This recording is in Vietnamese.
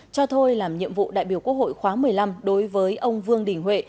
cho thôi làm nhiệm vụ đại biểu quốc hội khóa một mươi năm đối với ông vương đình huệ